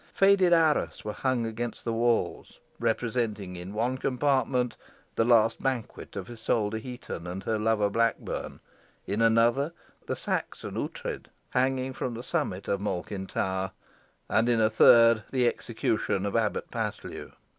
Faded arras were hung against the walls, representing in one compartment the last banquet of Isole de Heton and her lover, Blackburn; in another, the Saxon Ughtred hanging from the summit of Malkin Tower; and in a third, the execution of Abbot Paslew.